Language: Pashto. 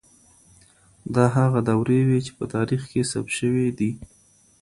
دا هغه دورې وې چي په تاريخ کي ثبت سوې دي.